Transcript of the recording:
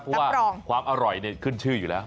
เพราะว่าความอร่อยขึ้นชื่ออยู่แล้ว